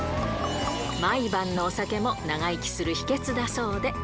毎晩のお酒も長生きする秘けつだそうで。